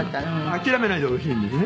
諦めないでほしいんですね。